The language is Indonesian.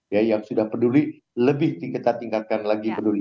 ya yang sudah peduli lebih kita tingkatkan lagi peduli